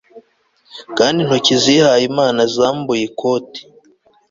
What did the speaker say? Kandi intoki zihaye Imana zambuye ikoti